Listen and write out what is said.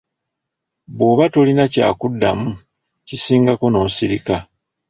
Bw’oba tolina ky’akuddamu kisingako n’osirika.